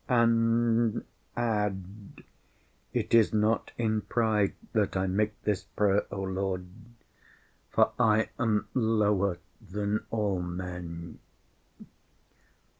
And add: it is not in pride that I make this prayer, O Lord, for I am lower than all men....